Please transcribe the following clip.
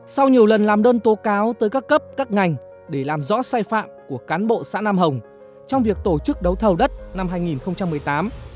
sau nhiều lần làm đơn tố cáo tới các cấp các ngành để làm rõ sai phạm của cán bộ xã nam hồng trong việc tổ chức đấu thầu đất năm hai nghìn một mươi tám